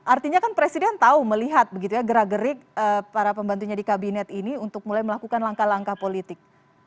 artinya kan presiden tahu melihat begitu ya gerak gerik para pembantunya di kabinet ini untuk mulai melakukan langkah langkah politik